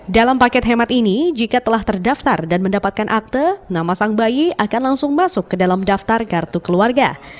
dalam paket hemat ini jika telah terdaftar dan mendapatkan akte nama sang bayi akan langsung masuk ke dalam daftar kartu keluarga